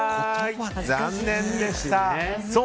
残念でした。